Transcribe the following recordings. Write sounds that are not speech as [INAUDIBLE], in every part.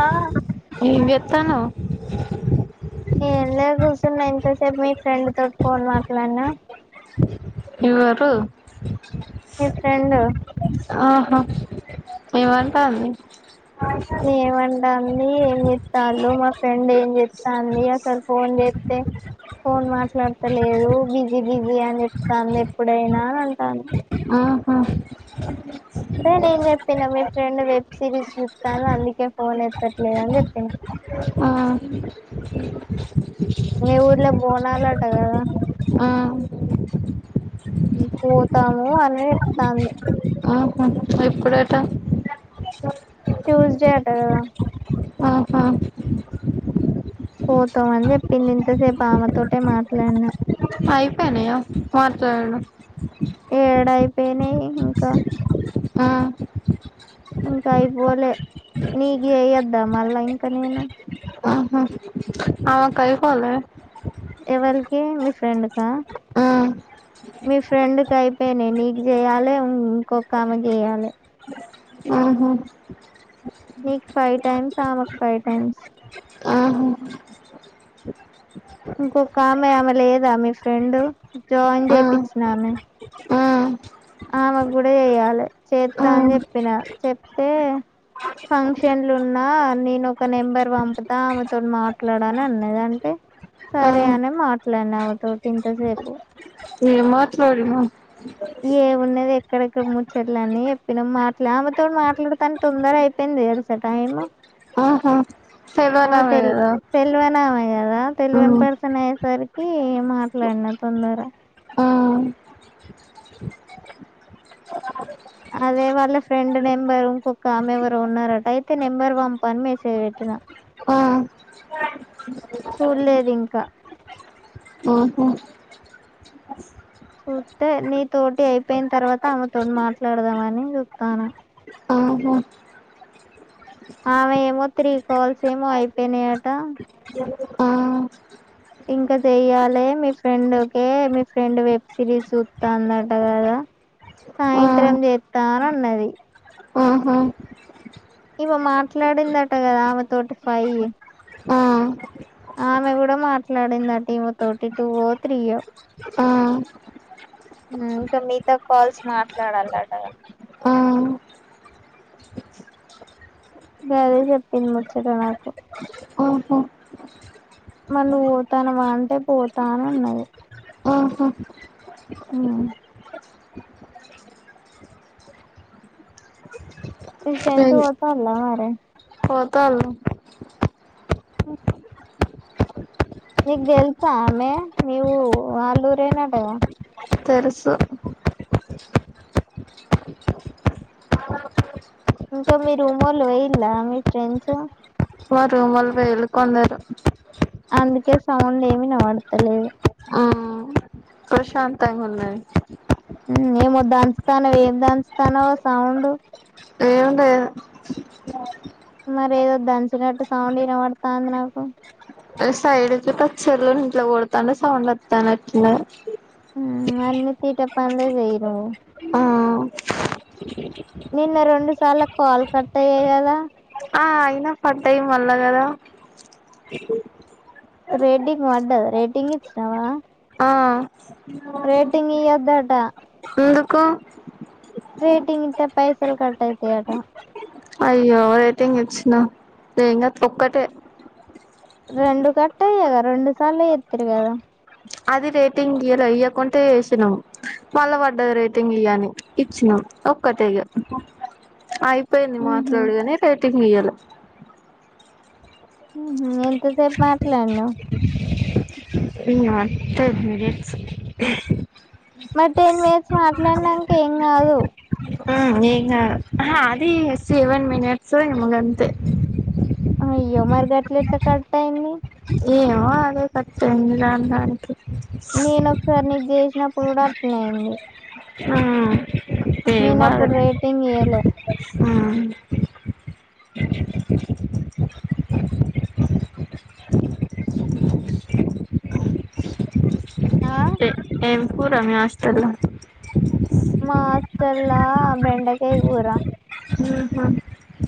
ఆ ఎం చెత్తాన్నవ్. ఏం లేదు కూసున్నా. ఇంతసేపు మీ ఫ్రెండ్ తోటి ఫోన్ మాట్లాడినా. ఎవ్వరు? మీ ఫ్రెండు. ఆహా ఏమంటాంది? ఏమంటాంది ఏం చేత్తాల్లు, మా ఫ్రెండ్ ఏం చేత్తాంది అసలు ఫోన్జేత్తే ఫోన్ మా ట్లాడ్తలేదు. బిజీ బిజీ అని చెప్తాంది ఎప్పుడైనా అని అంటాంది. ఆహా అయితే నేను చెప్పినా మీ ఫ్రెండ్ వెబ్ సిరీస్ చూస్ స్తాంది. అందుకే ఫోన్ ఎత్తట్లేదు అని చెప్పినా. ఆ మీ ఊరిలా బోనాలటగదా. ఆ పోతాము అని చెప్తాంది. ఆహా ఎప్పుడటా? ట్యూస్డే అట కదా. ఆహా పోతమని చెప్పింది. ఇంతసేపు ఆమె తోటే మాట్లాడిన. అయిపేయినయా మాట్లాడం. ఏడయిపోయినయి ఇంకా. ఆ ఇంకా అయిపోలే నీగి చెయోద్దా మళ్ళా ఇంకా నేను. ఆహా ఆమెకు అయ్యిపోలే ఎవరికి మీ ఫ్రెండ్ కా ఆ మీ ఫ్రెండ్ కి అయిపోయినయి. నీకు చేయాలె, ఇంకొక ఆమెకి చేయాలె. ఆహా నీకు ఫైవ్ టైమ్స్ ఆ మాక్ ఫైవ్ టైమ్స్ ఆహా ఇంకొక ఆమె ఆమె లేదా మీ ఫ్రెండు జాయిన్ ఆ చేయిచ్చినామె ఆ ఆ ఆమెకు కూడా చేయాలె చేస్తా అని చెప్పిన చెప్తే ఫంక్షన్లు ఉన్నా నేను ఒక నెంబర్ పంపుతా ఆమెతోో మాట్లాడ అని అన్నది అంటే ఆ సరే అనే మాట్లాడిన ఆమెతోటి ఇంతసేపు ఏమో చూడ్ను ఏమున్నదె ఎక్కడక్కడ ముచ్చోట్లన్ని ఎప్పిన మాట్లా ఆమెతోో మాట్లాడుతాని తొందర అయిపోయింది తెలుస టైము ఆహా అ తెలవనామె తెల్ కదా తెల్వనామె కదా తెల్వన్ ఉమ్ పర్సన్ అయి సరికి మాట్లాడిన తొందర ఆ అదే వాళ్ళ ఫ్రెండ్ నెంబర్ ఇంకొకామె ఎవరు ఉన్నారట అయితే నెంబర్ పంపని మేసేజ్ పెట్ారు ఇగ ఆ చూడ్లేదు ఇంకా ఆహా చూస్తే నీ తోటి అయిపోయిన తర్వాత ఆమెతోోని మాట్లాడదామని చూతాను ఆహా ఆమె ఏమో త్రీ కాల్స్ ఏమో అయిపోయినయట ఆ ఇంకా చెయ్యాలే మీ ఫ్రెండ్ కే మీ ఫ్రెండ్ వెబ్ సిరీస్ చుత్తాందట కదా ఆ సాయంత్రం చెత్తా అనన్నది ఆహా ఇవ మాట్లాడిందట కదా ఆమె తోటి ఫై ఆ ఆమె కూడ మాట్లాడిందట ఈమె తోటి టూవో త్రీయో ఆ ఆ ఇంక మిగతా కాల్స్ మాట్లాడాలటగా ఆహా గదే చెప్పింద్ ముచ్చట నాకు మర్ నువ్ పోతాన వా అంటే పోతా అనన్నది ఆహ ఉమ్ మీ ఫ్రెండ్స్ పోతార్లా మరె పోతాళ్లు [UNINTELLIGIBLE] నీగ్ తెల్సా ఆమె నీవు వాళ్ళూరేనటగా తెరుసు ఇంక మీ రూమొళ్ళు వెయిల్లా మీ ఫ్రెండ్స్ వార్ రూమ్ వాళ్ వెల్ కొందరు అందుకే సౌండ్ ఏం ఇనబడ్తలేదు ప్రశాంతంగ ఉన్నది ఏమో దంచుతానవు ఏం దంచుతానవు ఆ సౌండు ఏం లేద్ మరేదో దంచినట్టు సౌండ్ ఇనబడతాంది నాకు సైడ్కి పచ్చర్లు గిట్ల కొడతంటే సౌండు వత్తానట్ట అట్లే మ్ అన్నీ తీటపన్లే చెయ్ నువ్వు ఆ నిన్న రెండు సార్ల కాల్ కట్టయ్యే కదా ఆ అయిన పడ్డయి మళ్ళ కదా రేటింగ్ వడ్డది రేటింగ్ ఇచ్చినవా ఆ రేటింగ్ ఇయ్యేద్దట ఎందుకు రేటింగ్ ఇత్తే పైసలు కట్ అయితై అట అయ్యో రేటింగ్ ఇచ్చిన ఎంగాద్ ఒక్కటే రెండు కట్ట అయ్యా కదా రెండు సార్లు ఏత్తిరి కదా అది రేటింగ్ ఇయ్యలే ఇయకుంటే ఏసినం మళ్ళ పడ్డది రేటింగ్ ఇయ్యని ఇచ్చిన ఒక్కటేగ అయిపోయింది మ్మ్ హ్మ్ మాట్లాడుగనీ రేటింగ్ ఇయ్యలే ఊహు ఎంతసేప్ మాట్లాడినవ్ ఇంగ అత్తరు డ్రెస్ కి మరి టెన్ మినిట్స్ మాట్లాడినంక ఏం కాదు ఉ ఏం గాద్ అహా అది సెవెన్ మినిట్స్ ఏమో గంతే అయ్యో మరి గట్లఏట్ల కట్ అయింది ఏమో అదే కట్ అయింది దానిదానికే నేను ఒకసారి నీకు జెసినప్పుడు కూడా అట్నే అయింది ఆ ఏం నేను అప్పుడు బాధలు రేటింగ్ ఇయ్యలే ఆ ఆ ఏ ఏం కూర మీ హస్టల్ ల మా హాస్టల్ లా బెండకాయ కూర ఊహ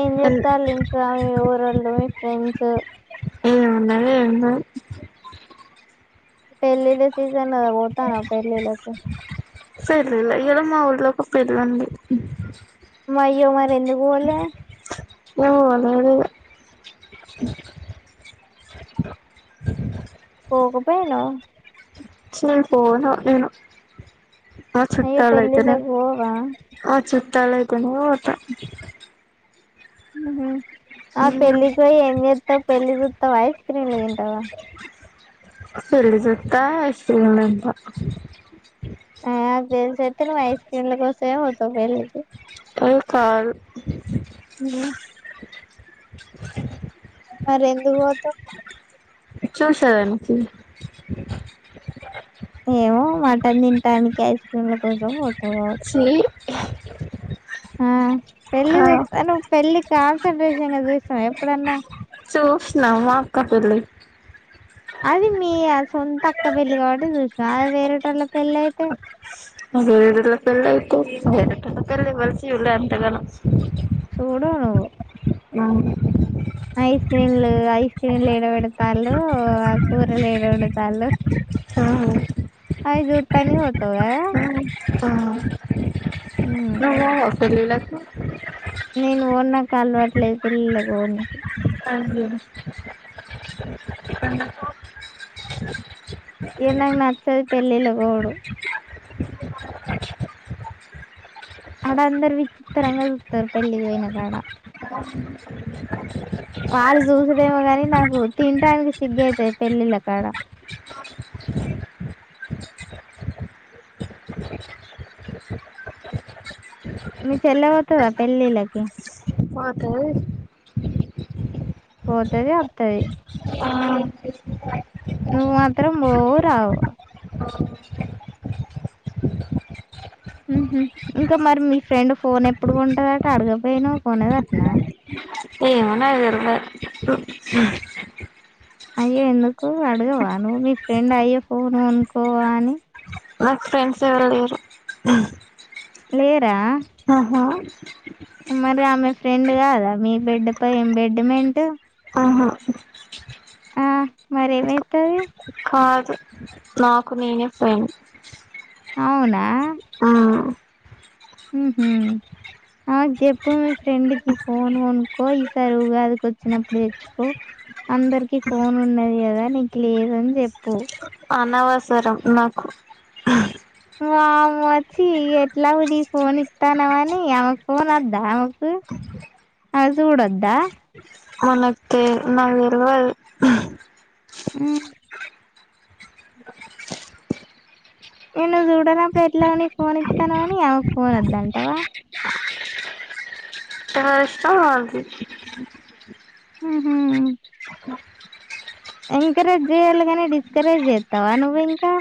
ఏం చెత్తాళ్ళు ఇంకా మీ ఊరోళ్ళు మీ ఫ్రెండ్స్ ఏమున్నది ఏం లేదు పెళ్లిళ్ల సీజన్ గద పోతానవ పెళ్ళిళ్ళకు సేళ్లిల్లె ఇయాల మా ఊళ్లో ఒక పెళ్లి ఉంది మయ్యో మరి ఎందుకు పోలే మేము పోత లేదు పోకపోయినావు చి పోను నిను ఆ అయ్యో చుట్టాలు అయితానే పెళ్ళిళ్ళకు పోవా ఆ చుట్టాల అయితానే ఓత ఉహు ఆ పెళ్లికి పోయి ఏం చేస్తావు పెళ్లి చూస్తావా ఐస్క్రీమ్లు తింటావా సూడుడు జుత్తా ఐస్ క్రీమ్లు తింటా ఏ అది దేలు చేతే నువ్ ఐస్క్రీమ్లా కోసమే పోతావు పెళ్లి కి ఏ కాదు నినా మరి ఎందుకు పోతావు చూసాదనికి ఏమో మటన్ తింటానికి ఐస్ క్రీమ్ల కోసం వొత్ చి ఆ పెళ్ళి చూత్తాను పెళ్ళి కాన్సన్ట్రేషన్ గా చూసినవా ఎప్పుడన్నా చూసినా మా అక్క పెళ్ళి అది మీ ఆ సొంత అక్క పెళ్లి కాబట్టి చూసిన అది వేరేటోళ్ళ పెళ్లి అయితే అదే వేరేటోళ్ల పెళ్లి అయితే వేరేటోళ్ల పెళ్లి వలిసి చూడాలే అంతా గానం చూడనో న ఐస్ క్రీమ్లు ఐస్ క్రీమ్లు ఎడబెడతాళ్ళు ఆ కూరలు ఏడ వండుతాళ్లు ఆ అవి జూత్తానికే వత్తావ ఆ నువ్ పోవ పెళ్లిళ్లకు కలవట్లేదు పెళ్లిళ్లకు పోనికి కంజూమ్ చెప్పండి ఇగ నాకు నచ్చదు పెళ్ళిళ్ళ కు పోవుడు ఆడ అందరు విచిత్రంగా చూస్తారు పెళ్లికి పోయిన కాడ వాళ్ళు చూసుడేమో గాని నాకు తింటానికి సిగ్గు అయితది పెళ్ళిళ్ళ కాడ మీ చెల్ల వొతదా పెళ్లి లకి పక్కనదిస్ పోతది అత్తది నువ్ మాత్రం బోవు రావు ఉహు ఇంకా మరి మీ ఫ్రెండ్ ఫోన్ ఎప్పుడు కొంటాదట అడగపోయినావు కొన దాట్నా ఏమున్నది ఏదురు గా అయ్యో ఎందుకు అడగవా నువ్ మీ ఫ్రెండ్ అయ్యా ఫోన్ అనుకోవా అని నాకు ఫ్రెండ్స్ ఎవరు లేరు హ్మ్ లేరా ఆహా మరి ఆమె ఫ్రెండ్ కాదా మీ బెడ్ పై ఏం బెడ్మెంటు ఆహా ఆ మరి ఏమైతాది కాదు నాకు నేనే ఫ్రెండ్ అవునా హ్మ్ హ్మ ఆ చెప్పు మీ ఫ్రెండ్ కి ఫోన్ కొనుకో సారీ ఉగాదికి వచ్చినప్పుడు తెచ్చుకో అందరికి ఫోన్ ఉన్నది కదా నీకు లేదు అని చెప్పు అనవసరం నాకు వామ్మో చి ఎట్లా ఉడి ఫోన్ ఇస్తానమని ఆమెకు ఫోన్ వద్దా ఆమెకు అది కూడా వద్ద మనకి నక్ తెల్వద్ హ్మ్ నిన్ను చూడనపుడు ఎట్లా అని ఫోన్ ఇతనవని ఆమెకు ఫోన్ వద్దంటావా [UNINTELLIGIBLE] హహ్మ్ ఎంకరేజ్ చేయ్యాలి కాని డిస్కరేజ్ చేత్తవ నువ్వు ఇంకా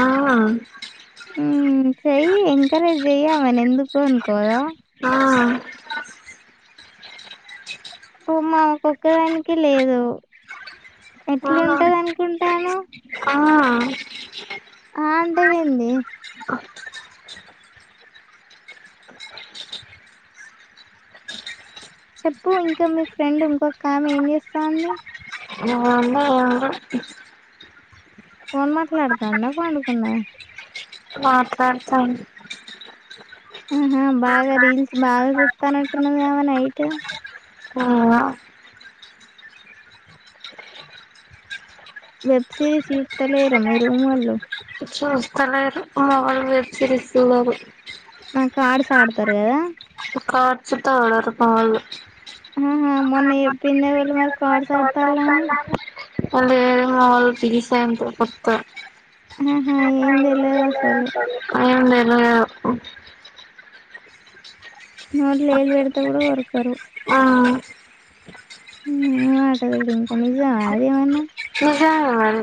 ఆ హ్మ్ చేయ్ ఎంకరేజ్ చేయ్ ఆమెను ఎందుకు అనుకోదా ఆ పాపం ఆమె కొక్కదానికి లేదు ఎట్లుంటది అనుకుంటాన్నావ్ ఆ ఆ ఆ అంటవెందీ చెప్పు ఇంకా మీ ఫ్రెండ్ ఇంకొకామె ఏం చేస్తాంది ఎవరు ఫోన్ మాట్లాడతాందా పండుకుందా మాట్లాడుతంది ఆహా బాగా రీల్స్ బాగా సుత్తానట్టున్నవ్ గా ఆమె నైట్ అవునా వెబ్ సిరీస్ సూత్తలేరు మీ రూమొళ్ళు చూస్తలేరు మా వాళ్ళు వెబ్ సిరీస్ చూడరు ఆ కార్డ్స్ ఆడతారు కదా కార్డ్స్ తో ఆడరు మా వాళ్ళు హ్మ మొన్న చెప్పింది ఎవలు మరి కార్డ్స్ ఆడతాల్లని అదే మా వాళ్ళు ఆహా ఏం తెల్వదు అసలు [UNINTELLIGIBLE] [INAUDIBLE] నోట్లో ఏలు పెడితే కూడా కొరకరు ఆ ఊ అంటఅది సూడు ఇంక నిజామా అదేమన్నా నిజమే మరి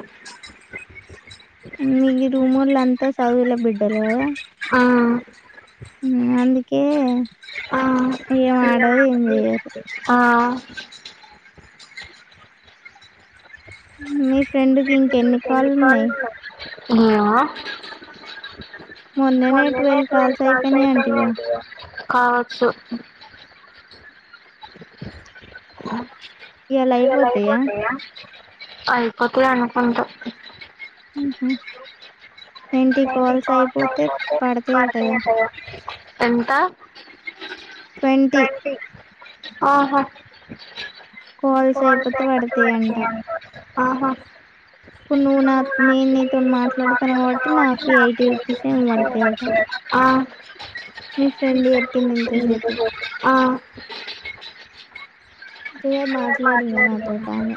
మీ రూమోళ్ళంతా సదువుల బిడ్డలు కదా హూ అందుకే ఆ ఆ ఏం ఇగ ఆడరు ఏం మాకు చెయ్యరు ఆ మీ ఫ్రెండ్ కింకెన్ని సరేలే ఆ మొన్ననే ట్వెల్వ్ కాల్స్ ఆ అయిపోయినాయి అంటివిగా [UNINTELLIGIBLE] కావచ్చు ఇవాళ అయిపోతాయా అయిపోతాయ్ అనుకుంట హ్మ్ హ్మ పడతాయటగా ఎంత ట్వంటి ట్వంటీ ఆహా కాల్స్ అయిపోతే పడతాయి అంట ఆహా ఇప్పుడు నా నువ్వు నేను నాకి నీతో ఇప్పుడు మాట్లాడుతాను మాట్లాడుకున్న కాబట్టి వాటికి నాకు ఎయిటీ రూపీస్ ఏమో నాకి పడతాయట [UNINTELLIGIBLE] మీ ఫ్రెండ్ చెప్పింది ఇంతసేపు ఆ ఆ ఇప్పుడే ఆహా మాట్లాడింది నాతోటి ఆమె